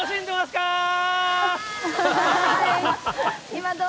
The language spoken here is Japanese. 今、どうぞ。